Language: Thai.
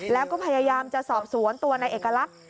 แล้วก็พยายามจะสอบสวนตัวในเอกลักษณ์